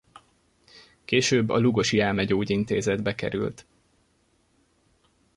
Később a lugosi elmegyógyintézetbe került.